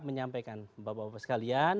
menyampaikan bapak bapak sekalian